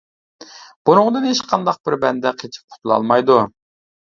بۇنىڭدىن ھېچقانداق بىر بەندە قېچىپ قۇتۇلالمايدۇ.